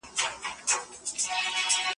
ګودړۍ وه ملنګینه